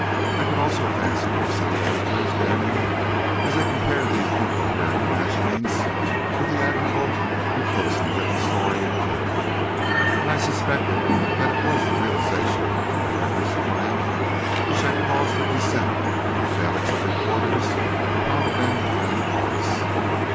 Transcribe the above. I could also fancy their city editors damning as they compared these incoherent imaginings with the admirable and closely written story in the Record, and I suspected that it was the realisation of the Record's triumph which had caused the descent of the phalanx of reporters upon the Vantine place.